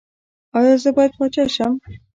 ایا زه باید پاچا شم؟